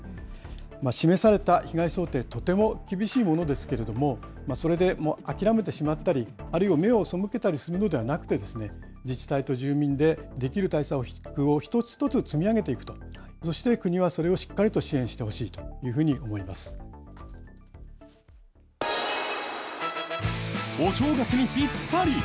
示された被害想定、とても厳しいものですけれども、それで諦めてしまったり、あるいは目を背けたりするのではなくてですね、自治体と住民で、できる対策を一つ一つ積み上げていくと、そして国はそれをしっかりと支援してほしいお正月にぴったり。